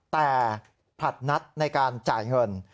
แต่ผลัดนัดในการจ่ายเงิน